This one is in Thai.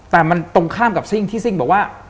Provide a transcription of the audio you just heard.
แต่มันตรงข้ามกับซิ่งที่ซิ่งบอกว่า